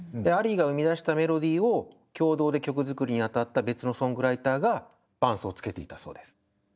アリーが生み出したメロディーを共同で曲作りに当たった別のソングライターが伴奏をつけていたそうです。